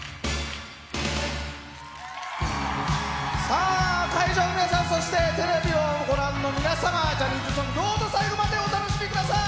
さあ、会場の皆さん、テレビをご覧の皆様、ジャニーズソング、どうぞ最後までお楽しみください。